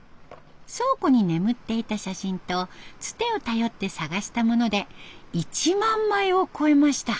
倉庫に眠っていた写真とツテを頼って探したもので１万枚を超えました。